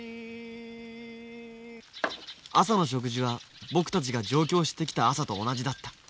朝の食事は僕たちが上京してきた朝と同じだった。